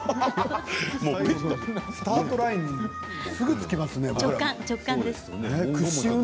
スタートラインにすぐつきますね。